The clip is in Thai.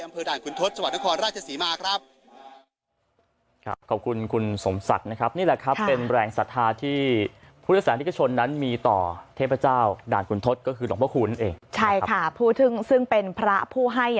อำเภอด่านคุณทศจังหวัดนครราชศรีมาครับ